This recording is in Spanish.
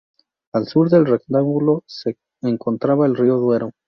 Al sur del rectángulo se encontraba el río Duero.